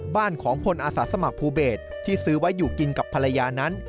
บ้านของพลอาสาสมัครภูเบศที่ซื้อไว้อยู่กินกับภรรยานั้น